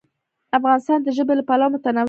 افغانستان د ژبې له پلوه متنوع دی.